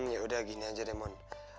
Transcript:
ya udah gini aja demon